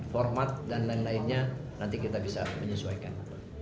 format dan lain lainnya nanti kita bisa menyesuaikan